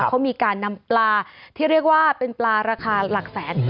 เขามีการนำปลาที่เรียกว่าเป็นปลาราคาหลักแสน